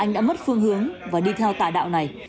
anh đã mất phương hướng và đi theo tà đạo này